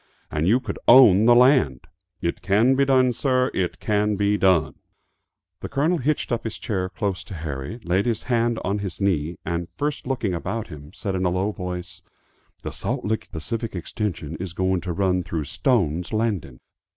and you could own the land! It can be done, sir. It can be done!" The Colonel hitched up his chair close to Harry, laid his hand on his knee, and, first looking about him, said in a low voice, "The Salt Lick Pacific Extension is going to run through Stone's Landing!